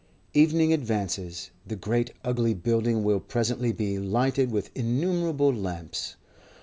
Evening advances; the great ugly building will presently be lighted with innumerable lamps.